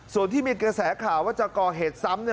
ส่วนที่มีกระแสข่าวว่าจะก่อเหตุซ้ำเนี่ย